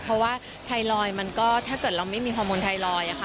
เพราะว่าไทรอยด์มันก็ถ้าเกิดเราไม่มีฮอร์โมนไทรอยด์ค่ะ